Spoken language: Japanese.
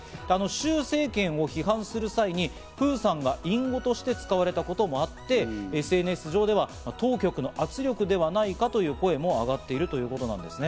シュウ政権を批判する際に、プーさんが隠語として使われたこともあって、ＳＮＳ上では当局の圧力ではないかという声も上がっているということなんですね。